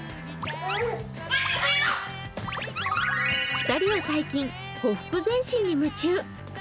２人は最近、ほふく前進に夢中。